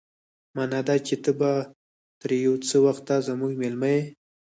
مانا دا چې ته به تر يو څه وخته زموږ مېلمه يې.